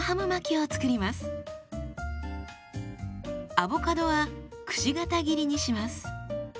アボカドはくし形切りにします。